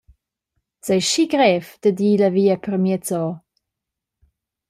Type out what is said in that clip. S’ei schi grev dad ir la via permiez ora?